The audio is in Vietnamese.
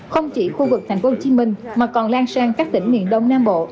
không chỉ khu vực tp hcm mà còn lan sang các tỉnh miền đông nam bộ